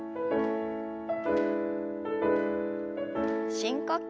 深呼吸。